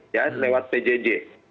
ya lewat pjj